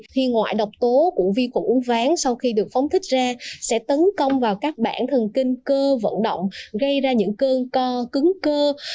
thì ngoại độc tố của vi khuẩn uống ván sau khi được phóng thích ra sẽ tấn công vào các bản thần kinh cơ vận động gây ra những cơn co cứng cơ